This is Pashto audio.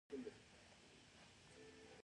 څنګه کولی شم د ډراپ شپینګ کاروبار پیل کړم